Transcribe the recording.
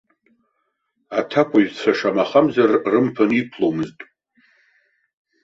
Аҭакәажәцәа шамахамзар рымԥан иқәломызт.